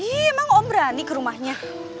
iya emang om berani ke rumahnya